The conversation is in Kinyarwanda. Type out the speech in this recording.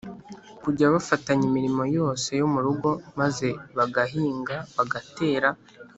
kujya bafatanya imirimo yose yo mu rugo maze bagahinga, bagatera